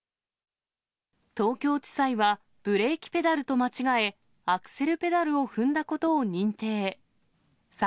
東京地裁は、ブレーキペダルと間違え、アクセルペダルを踏んだことを認定。